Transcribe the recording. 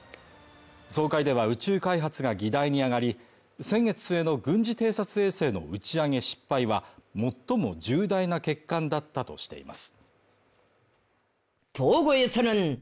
総会では宇宙開発が議題に上がり、先月への軍事偵察衛星の打ち上げ失敗は最も重大な欠陥だったとしています。